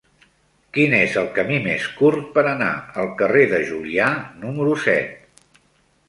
Quin és el camí més curt per anar al carrer de Julià número set?